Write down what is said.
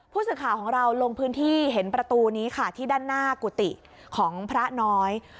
ผู้สื่อข่าวของเราลงพื้นที่เห็นประตูนี้ค่ะที่ด้านหน้ากุฏิของพระน้อย